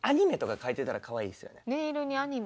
ネイルにアニメ？